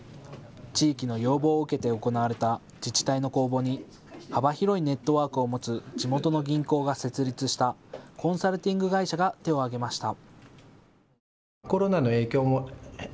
地域の要望を受けて行われた自治体の公募に幅広いネットワークを持つ地元の銀行が設立したコンサルティング会社が手を挙げました。